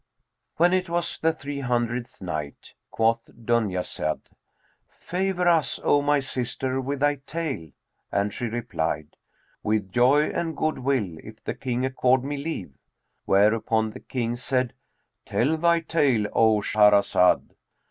When it was the Three Hundredth Night, Quoth Dunyazad, "favour us, O my sister, with thy tale," and she replied, 'With joy and good will, if the King accord me leave;" whereupon the King said, "Tell thy tale, O Shahrazad."